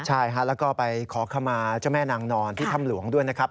ใช่ฮะแล้วก็ไปขอขมาเจ้าแม่นางนอนที่ถ้ำหลวงด้วยนะครับ